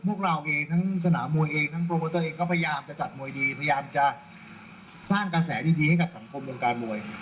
พวกเราเองทั้งสนามมวยเองทั้งโปรโมเตอร์เองก็พยายามจะจัดมวยดีพยายามจะสร้างกระแสดีให้กับสังคมวงการมวย